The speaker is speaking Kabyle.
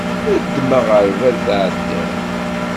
Ddem aɣerbal tɛeddiḍ.